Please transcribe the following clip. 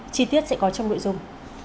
chi tiết sẽ có trong nội dung